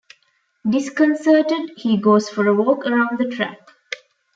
Disconcerted, he goes for a walk around the track.